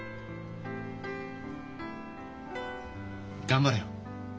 頑張れよ。